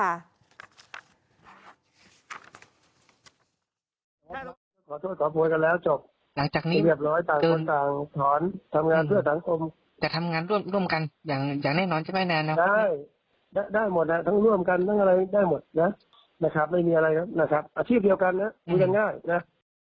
ขอโทษขอโพยกันแล้วจบหลังจากนี้เรียบร้อยต่างคนต่างถอนทำงานเพื่อสังคมจะทำงานร่วมกันอย่างแน่นอนใช่ไหมแนนนะครับได้หมดอ่ะทั้งร่วมกันทั้งอะไรได้หมดนะนะครับไม่มีอะไรนะครับอาชีพเดียวกันนะมีกันง่ายนะ